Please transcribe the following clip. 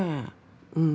うん。